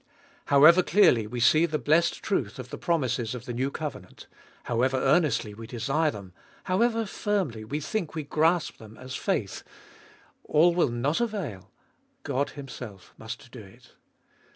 However clearly we see the blessed truth of the promises of the new covenant, how ever earnestly we desire them, however firmly we think we grasp them as faith, all will not avail — God Himself must do it.